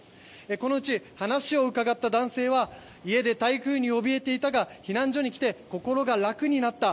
このうち話を伺った男性は家で台風におびえていたが避難所に来て心が楽になった